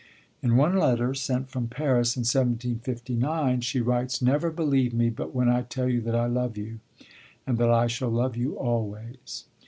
In one letter, sent from Paris in 1759, she writes: 'Never believe me, but when I tell you that I love you, and that I shall love you always.'